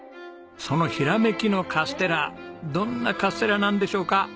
そのひらめきのカステラどんなカステラなんでしょうか？